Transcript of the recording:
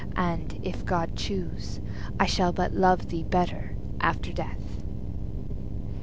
—and, if God choose, I shall but love thee better after death.